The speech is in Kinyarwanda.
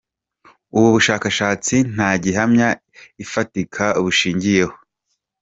Ubu bushakashatsi nta gihamya ifatika bushingiyeho.